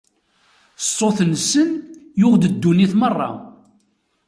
Ṣṣut-nsen yuɣ-d ddunit merra.